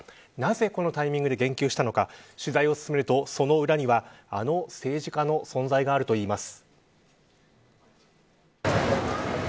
なぜ、このタイミングで言及したのか取材を進めると、その裏にはあの政治家の存在があるといいます。